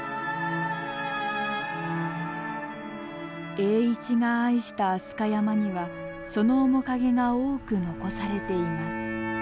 栄一が愛した飛鳥山にはその面影が多く残されています。